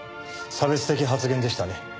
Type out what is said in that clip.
差別的発言でしたね。